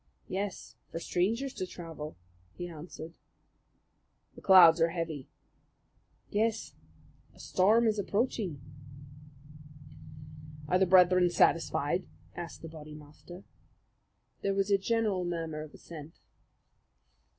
"Yes, for strangers to travel," he answered. "The clouds are heavy." "Yes, a storm is approaching." "Are the brethren satisfied?" asked the Bodymaster. There was a general murmur of assent.